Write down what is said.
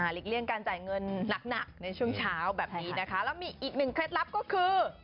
เลี่ยงการจ่ายเงินหนักในช่วงเช้าแบบนี้นะคะแล้วมีอีกหนึ่งเคล็ดลับก็คือ